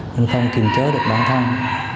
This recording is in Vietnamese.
mình không kiềm chế được bản thân